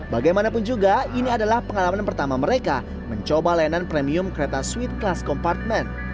bagaimanapun juga ini adalah pengalaman pertama mereka mencoba layanan premium kereta sweet kelas kompartmen